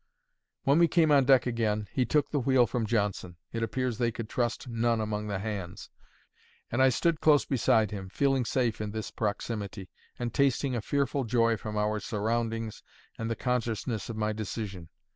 When we came on deck again, he took the wheel from Johnson it appears they could trust none among the hands and I stood close beside him, feeling safe in this proximity, and tasting a fearful joy from our surroundings and the consciousness of my decision.